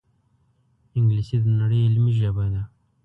انګلیسي د نړۍ علمي ژبه ده